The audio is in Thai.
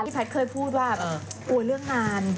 พี่แพทย์เคยพูดว่าปล่วยเรื่องการ